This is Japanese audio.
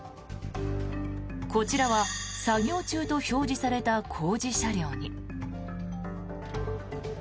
こちらは作業中と表示された工事車両に。